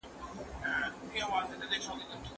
د ساکي «سلسال» او د بامیان